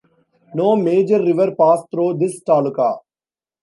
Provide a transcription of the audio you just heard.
No major river pass through this taluka.